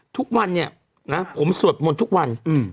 ทุกวันเนี่ยนะผมสวดมนต์ทุกวัน